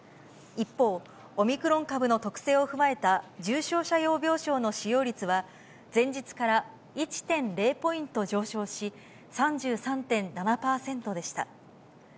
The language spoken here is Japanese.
一方、オミクロン株の特性を踏まえた重症者用病床の使用率は、前日から１．０ポイント上昇し、３３．７％でした。